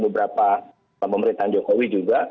beberapa pemerintahan jokowi juga